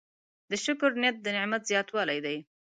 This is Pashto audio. د شکر نیت د نعمت زیاتوالی دی.